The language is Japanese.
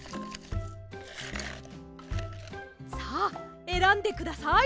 さあえらんでください！